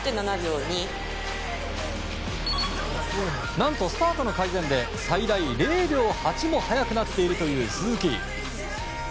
何とスタートの改善で最大０秒８も速くなっているという鈴木。